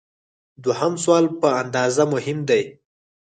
دوهم سوال په اندازه مهم دی.